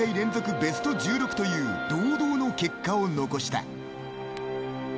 ベスト１６という堂々の結果を残した。